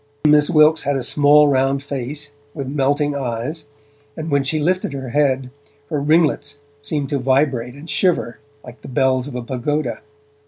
Miss Wilkes had a small, round face, with melting eyes, and when she lifted her head, her ringlets seemed to vibrate and shiver like the bells of a pagoda.